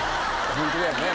ホントだよね。